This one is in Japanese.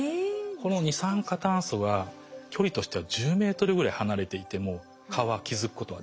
この二酸化炭素は距離としては１０ｍぐらい離れていても蚊は気付くことができます。